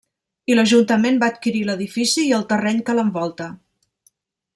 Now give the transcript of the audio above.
I l'Ajuntament va adquirir l'edifici i el terreny que l'envolta.